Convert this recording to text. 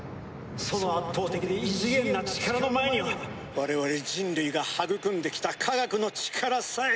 その圧倒的で異次元な力の前には我々人類が育んできた科学の力さえ無力！